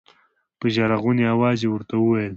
په ژړا غوني اواز يې ورته وويل.